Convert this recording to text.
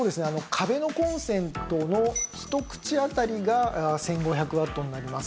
壁のコンセントの１口あたりが１５００ワットになります。